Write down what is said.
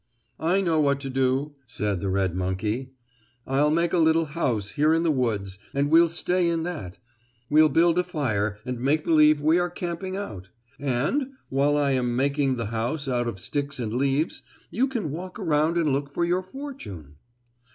"I know what to do," said the red monkey. "I'll make a little house here in the woods, and we'll stay in that. We'll build a fire, and make believe we are camping out. And, while I am making the house out of sticks and leaves, you can walk around and look for your fortune."